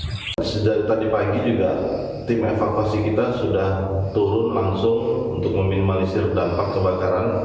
dari tadi pagi juga tim evakuasi kita sudah turun langsung untuk meminimalisir dampak kebakaran